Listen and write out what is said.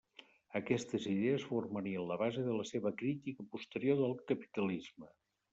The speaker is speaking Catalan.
Aquestes idees formarien la base de la seva crítica posterior del capitalisme.